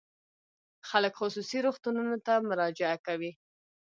خلک خصوصي روغتونونو ته مراجعه کوي.